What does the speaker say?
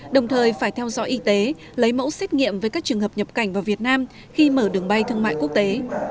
đồng thời phải theo dõi y tế lấy mẫu xét nghiệm với các trường hợp nhập cảnh vào việt nam khi mở đường bay thương mại quốc tế